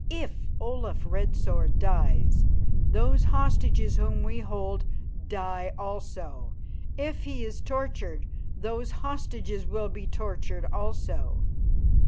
If Olaf Red Sword dies, those hostages whom we hold die also. If he is tortured, those hostages will be tortured also.